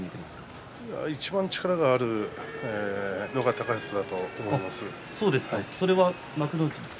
いちばん力のあるのが高安だと思っています。